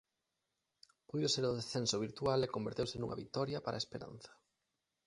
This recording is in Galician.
Puido ser o descenso virtual e converteuse nunha vitoria para a esperanza.